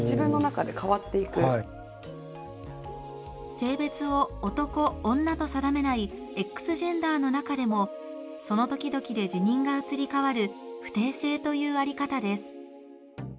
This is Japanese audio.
性別を男女と定めないＸジェンダーの中でもその時々で自認が移り変わる不定性という在り方です。